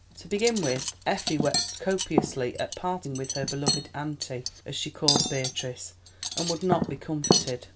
To begin with, Effie wept copiously at parting with her beloved "auntie," as she called Beatrice, and would not be comforted.